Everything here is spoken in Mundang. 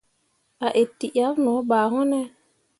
A itǝʼyakke no ɓa wune ?